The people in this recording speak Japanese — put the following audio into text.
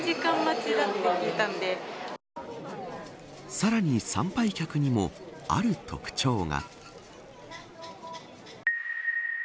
さらに参拝客にもある特徴が。